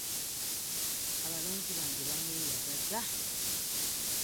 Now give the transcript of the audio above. Abalonzi bange banneeyagaza.